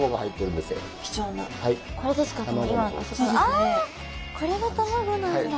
ああこれが卵なんだ。